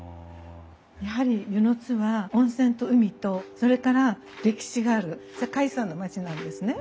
やはり温泉津は温泉と海とそれから歴史がある世界遺産の町なんですね。